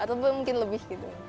atau mungkin lebih gitu